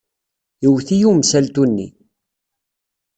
Iwet-iyi umsaltu-nni.